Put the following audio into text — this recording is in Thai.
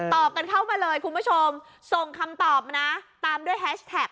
ตอบกันเข้ามาเลยคุณผู้ชมส่งคำตอบมานะตามด้วยแฮชแท็ก